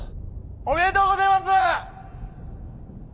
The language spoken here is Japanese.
おめでとうごぜます！